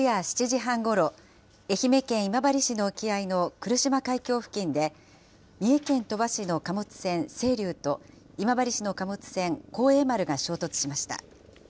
昨夜７時半ごろ、愛媛県今治市の沖合の来島海峡付近で、三重県鳥羽市の貨物船せいりゅうと、今治市の貨物船幸栄丸が衝突しました。